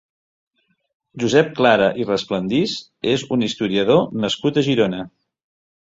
Josep Clara i Resplandis és un historiador nascut a Girona.